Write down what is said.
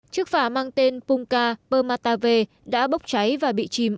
chiếc phà mang tên pungka permatawe đã bốc cháy và bị chìm